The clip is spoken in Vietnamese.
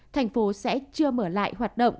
thành phố sẽ chưa mở lại hoạt động